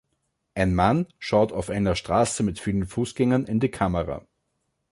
Ein Mann schaut auf einer Straße mit vielen Fußgängern in die Kamera.